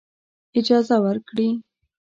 اجازه ورکړي.